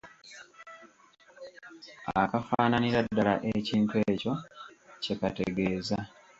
Akafaananira ddala ekintu ekyo kye kategeeza.